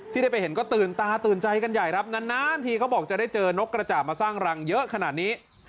ที่ได้ไปเห็นก็ตื่นตาตื่นใจกันใหญ่ครับนานทีเขาบอกจะได้เจอนกกระจ่าบมาสร้างรังเยอะขนาดนี้